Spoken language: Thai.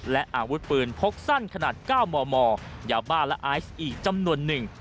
และอาวุธปืนพกสั้นขนาดเก้าหม่อยาวบ้านและอายุอีกจำนวนนึง